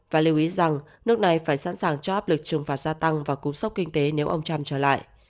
và lưu ý rằng nước này phải sẵn sàng cho áp lực trừng phạt gia tăng và cú sốc kinh tế nếu ông trump trở lại